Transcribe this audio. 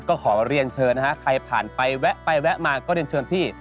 ก็ขอเรียนเชิญนะฮะใครผ่านไปแวะไปแวะมาก็เรียนเชิญพี่